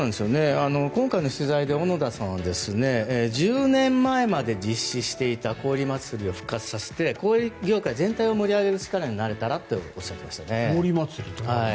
今回の取材で小野田さんは１０年前まで実施していた氷祭りを復活させて氷業界全体を盛り上げる力になれたらとおっしゃっていましたね。